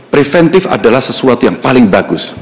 preventif adalah sesuatu yang paling bagus